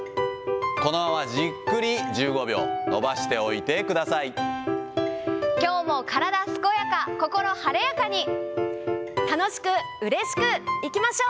このままじっくり１５秒、伸ばしきょうも体健やか、心晴れや楽しくうれしくいきましょう。